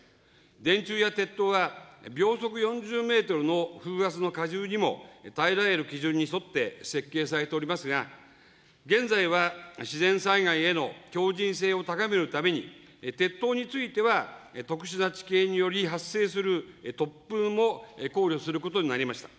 電柱や鉄塔は秒速４０メートルの風圧の荷重にも耐えられる基準に沿って設計されておりますが、現在は自然災害への強じん性を高めるために、鉄塔については、特殊な地形により発生する突風も考慮することになりました。